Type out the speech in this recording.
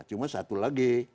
cuma satu lagi